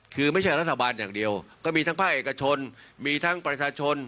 คือไม่ใช่รัฐบาลอย่างเดียวก็มีทั้งภาคเอกชนมีทั้งประชาชน